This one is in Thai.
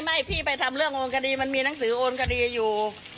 ไม่พี่ไปทำเรื่องโอนคดีมันมีหนังสือโอนคดีอยู่